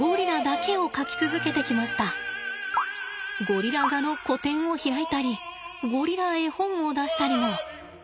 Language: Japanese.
ゴリラ画の個展を開いたりゴリラ絵本を出したりも。